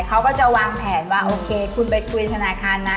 เขาก็จะวางแผนว่าโอเคคุณไปคุยธนาคารนะ